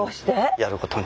やることに。